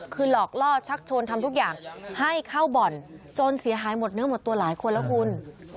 คือหลอกล่อชักชวนทำทุกอย่างให้เข้าบ่อนจนเสียหายหมดเนื้อหมดตัวหลายคนแล้วคุณ